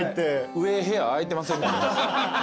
上部屋空いてませんかね？